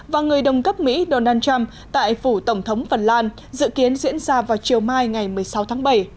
và người đồng cấp mỹ donald trump tại phủ tổng thống phần lan dự kiến diễn ra vào chiều mai ngày một mươi sáu tháng bảy